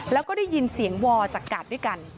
แล้วก็ได้ยินเสียงวอลจากกาดด้วยกัน